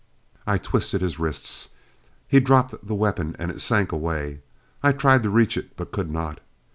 I twisted his wrists. He dropped the weapon and it sank away, I tried to reach it but could not....